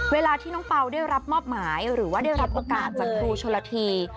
เวลาที่น้องเปล่าได้รับมอบหมายหรือว่าได้รับโอกาสจากครูชนละที